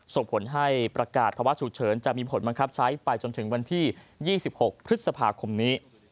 ส่งผลให้ประกาศภาวะฉุกเฉินจะมีผลบังคับใช้ไปจนถึงวันที่๒๖พฤษภาคมนี้